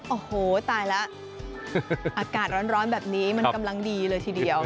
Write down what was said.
โอ้โหตายแล้วอากาศร้อนแบบนี้มันกำลังดีเลยทีเดียว